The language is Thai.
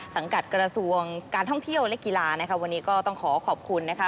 กระทรวงการท่องเที่ยวและกีฬานะคะวันนี้ก็ต้องขอขอบคุณนะคะ